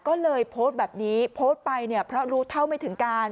ก็เลยโพสต์แบบนี้โพสต์ไปเนี่ยเพราะรู้เท่าไม่ถึงการ